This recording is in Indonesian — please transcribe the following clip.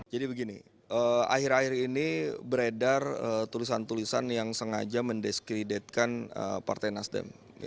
jadi begini akhir akhir ini beredar tulisan tulisan yang sengaja mendiskreditkan partai nasdem